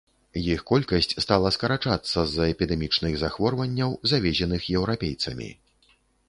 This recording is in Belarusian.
Іх колькасць стала скарачалася з-за эпідэмічных захворванняў, завезеных еўрапейцамі.